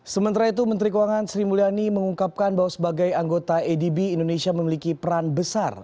sementara itu menteri keuangan sri mulyani mengungkapkan bahwa sebagai anggota adb indonesia memiliki peran besar